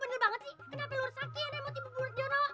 kenapa lo resah kaya nih mau tv bu marjono